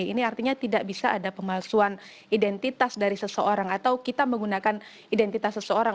ini artinya tidak bisa ada pemalsuan identitas dari seseorang atau kita menggunakan identitas seseorang